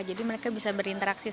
jadi mereka bisa berinteraksi sekali